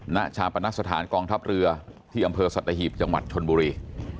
ณชาปนสถานกองทัพเรือที่อำเภอสัตหีบจังหวัดชนบุรี